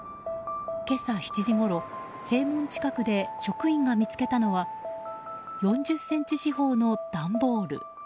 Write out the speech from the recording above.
今朝７時ごろ、正門近くで職員が見つけたのは４０ｃｍ四方の段ボール。